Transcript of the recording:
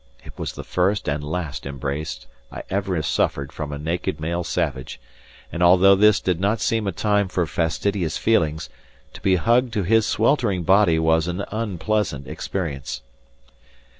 It was the first and last embrace I ever suffered from a naked male savage, and although this did not seem a time for fastidious feelings, to be hugged to his sweltering body was an unpleasant experience.